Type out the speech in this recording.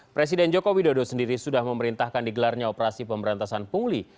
presiden joko widodo sendiri sudah memerintahkan digelarnya operasi pemberantasan pungli